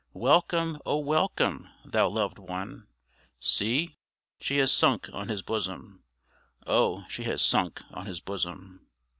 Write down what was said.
"Welcome, O welcome! thou loved one." See, she has sunk on his bosom; Oh! she has sunk on his bosom.